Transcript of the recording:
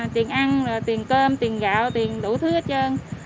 tiền ăn tiền cơm tiền gạo tiền đủ thứ hết trơn